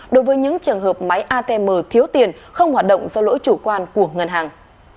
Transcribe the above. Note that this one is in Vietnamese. đối với những trường hợp máy atm thiếu tiền không hoạt động do lỗi chủ quan của ngân hàng